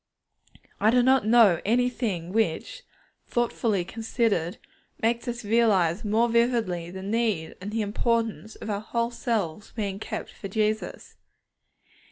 I do not know anything which, thoughtfully considered, makes us realize more vividly the need and the importance of our whole selves being kept for Jesus.